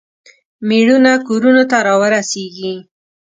میړونه کورونو ته راورسیږي.